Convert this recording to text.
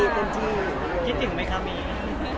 คิดถึงไหมคะมี